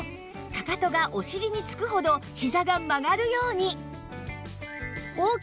かかとがお尻につくほどひざが曲がるように！